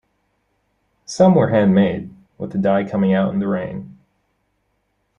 Some were handmade, with the dye coming out in the rain.